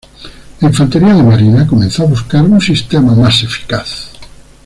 La Infantería de Marina comenzó a buscar un sistema más eficaz.